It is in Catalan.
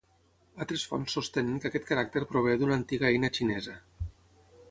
Altres fonts sostenen que aquest caràcter prové d'una antiga eina xinesa.